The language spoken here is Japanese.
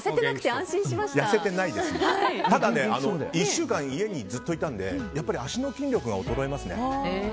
週間家にずっといたのでやっぱり足の筋力が衰えますね。